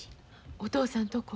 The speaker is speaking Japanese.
お父さんとこ？